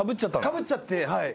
かぶっちゃってはい。